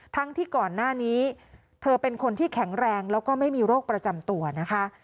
ทั้งที่ก่อนหน้านี้เธอเป็นคนที่แข็งแรงแล้วก็ไม่มีโรคประจำตัวนะคะ